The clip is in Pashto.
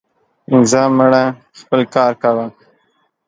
زه مړه, خپل کار کوه.